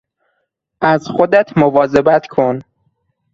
از خودت مواظبت کن.